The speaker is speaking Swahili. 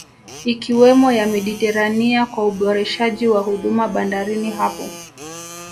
Ikiwemo ya Mediterania kwa uboreshaji wa huduma bandarini hapo